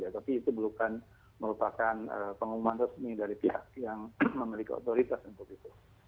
tapi itu merupakan pengumuman resmi dari pihak yang memiliki otoritas untuk itu